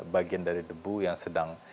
bagian dari debu yang sedang